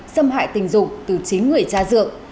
xâm hại tình dục từ chính người cha dược